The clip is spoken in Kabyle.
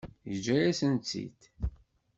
Yeǧǧa-yasent-tt-id.